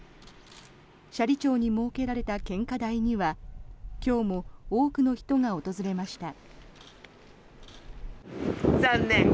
斜里町に設けられた献花台には今日も多くの人が訪れました。